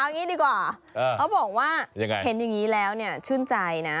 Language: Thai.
อย่างนี้ดีกว่าเขาบอกว่าเห็นอย่างนี้แล้วเนี่ยชื่นใจนะ